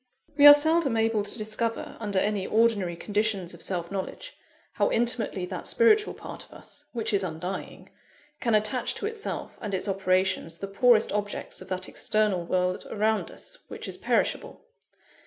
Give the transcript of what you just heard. We are seldom able to discover under any ordinary conditions of self knowledge, how intimately that spiritual part of us, which is undying, can attach to itself and its operations the poorest objects of that external world around us, which is perishable.